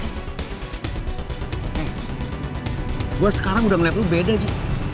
nih gua sekarang udah ngeliat lu beda ji